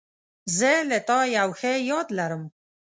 زه له تا یو ښه یاد لرم.